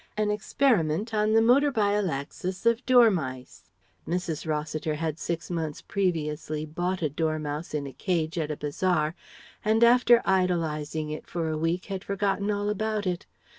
An experiment on the motor biallaxis of dormice. [Mrs. Rossiter had six months previously bought a dormouse in a cage at a bazaar, and after idolizing it for a week had forgotten all about it.